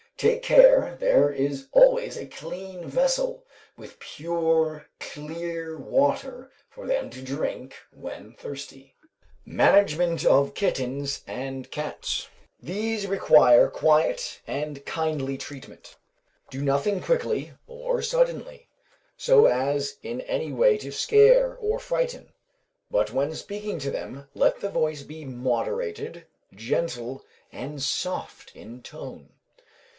Take care there is always a clean vessel, with pure clear water for them to drink when thirsty. [Illustration: MISS MOORE'S KITTEN, "CHLOE."] MANAGEMENT OF KITTENS AND CATS. These require quiet and kindly treatment. Do nothing quickly or suddenly, so as in any way to scare or frighten, but when speaking to them, let the voice be moderated, gentle, and soft in tone.